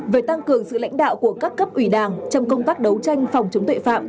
về tăng cường sự lãnh đạo của các cấp ủy đảng trong công tác đấu tranh phòng chống tội phạm